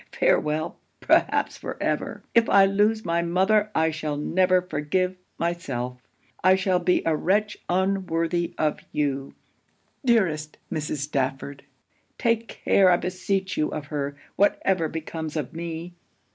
Farewell, perhaps, for ever! If I lose my mother I shall never forgive myself; and shall be a wretch unworthy of you. Dearest Mrs. Stafford! take care I beseech you of her, whatever becomes of me.'